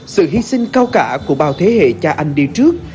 sự hy sinh cao cả của bao thế hệ cha anh đi trước